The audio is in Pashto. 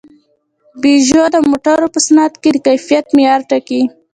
پيژو د موټرو په صنعت کې د کیفیت معیار ټاکي.